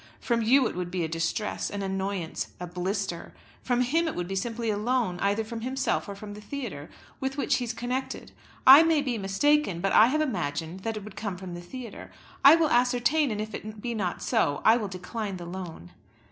From you it would be a distress, an annoyance, a blister. From him it would be simply a loan either from himself or from the theatre with which he is connected. I may be mistaken, but I have imagined that it would come from the theatre; I will ascertain, and if it be not so, I will decline the loan."